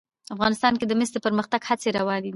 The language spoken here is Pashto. افغانستان کې د مس د پرمختګ هڅې روانې دي.